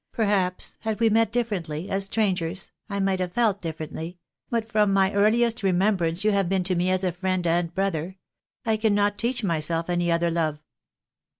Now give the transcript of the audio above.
"Perhaps, had we met differently, as strangers, I might have felt differently — but from my earliest remembrance you have been to me as a friend and brother. I cannot teach myself any other love."